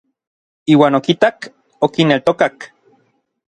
Iuan okitak, okineltokak.